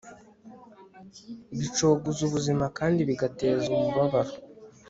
bicogoza ubuzima kandi bigateza umubabaro